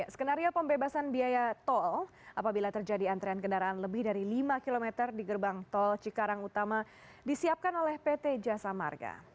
skenario pembebasan biaya tol apabila terjadi antrean kendaraan lebih dari lima km di gerbang tol cikarang utama disiapkan oleh pt jasa marga